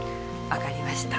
分かりました